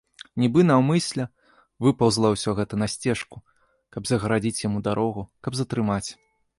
Нібы наўмысля выпаўзла ўсё гэта на сцежку, каб загарадзіць яму дарогу, каб затрымаць.